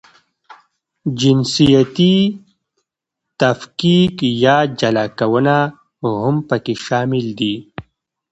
جنسیتي تفکیک یا جلاکونه هم پکې شامل دي.